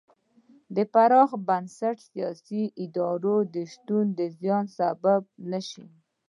د پراخ بنسټه سیاسي ادارو شتون د زیان سبب نه شو.